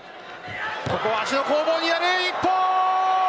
ここは足の攻防になる一本。